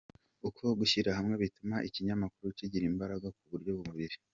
Uko gushyira hamwe bituma ikinyamakuru kigira imbaraga ku buryo bubiri.